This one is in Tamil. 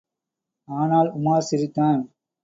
ஆனால், உமார் சிரித்தான்.